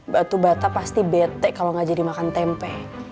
batu bata pasti bete kalau gak jadi makan tempe